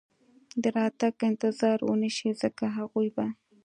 د راتګ انتظار و نه شي، ځکه هغوی به.